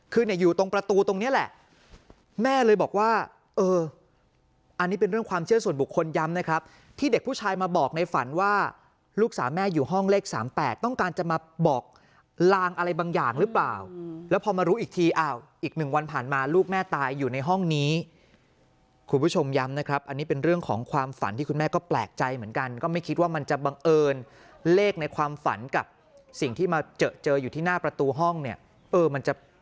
คืออยู่ตรงประตูตรงนี้แหละแม่เลยบอกว่าอันนี้เป็นเรื่องความเชื่อส่วนบุคคลย้ำนะครับที่เด็กผู้ชายมาบอกในฝันว่าลูกสาวแม่อยู่ห้องเลข๓๘ต้องการจะมาบอกลางอะไรบางอย่างหรือเปล่าแล้วพอมารู้อีกทีอีก๑วันผ่านมาลูกแม่ตายอยู่ในห้องนี้คุณผู้ชมย้ำนะครับอันนี้เป็นเรื่องของความฝันที่คุณแม่ก็แปลกใจเหม